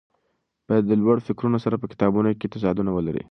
باید د لوړو فکرونو سره په کتابونو کې تضادونه ولري.